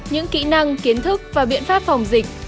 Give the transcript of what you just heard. những kỹ năng kiến thức và biện pháp phòng dịch